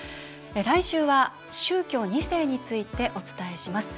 来週は宗教２世についてお伝えします。